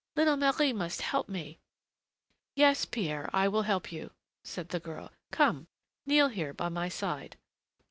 Little Marie must help me." "Yes, Pierre, I will help you," said the girl. "Come, kneel here by my side."